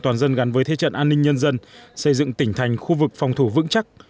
toàn dân gắn với thế trận an ninh nhân dân xây dựng tỉnh thành khu vực phòng thủ vững chắc